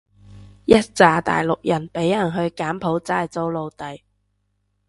一柞大陸人畀人去柬埔寨做奴隸